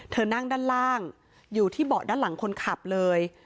นั่งด้านล่างอยู่ที่เบาะด้านหลังคนขับเลย